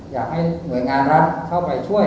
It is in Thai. อยากให้หน่วยงานรัฐเข้าไปช่วย